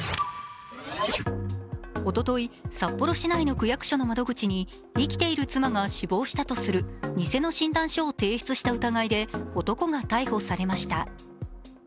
おととい、札幌市内の区役所の窓口に生きている妻が死亡したとする偽の診断書を提出した疑いで男が逮捕されました。